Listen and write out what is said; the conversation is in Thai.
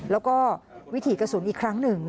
แล้วก็วิถีกระสุนอีกครั้งหนึ่ง